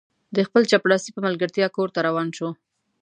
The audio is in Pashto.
د خپل چپړاسي په ملګرتیا کور ته روان شو.